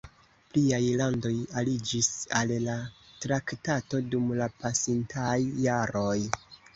Pliaj landoj aliĝis al la traktato dum la pasintaj jaroj.